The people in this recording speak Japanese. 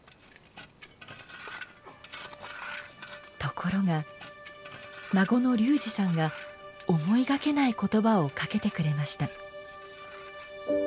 ところが孫の竜児さんが思いがけない言葉をかけてくれました。